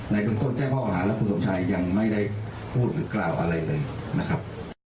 ในเบื้องต้นแจ้งพ่ออาหารแล้วคุณสมชายยังไม่ได้พูดหรือกล่าวอะไรเลยนะครับ